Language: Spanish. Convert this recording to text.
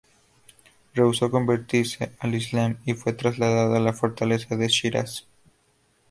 Rehusó convertirse al Islam y fue trasladado a la fortaleza de Shiraz.